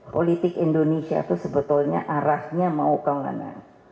politik indonesia itu sebetulnya arahnya mau kemana